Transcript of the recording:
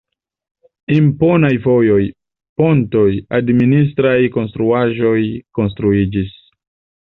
Imponaj vojoj, pontoj, administraj konstruaĵoj konstruiĝis.